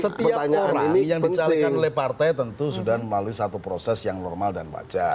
setiap orang yang dicalikan oleh partai tentu sudah melalui satu proses yang normal dan wajar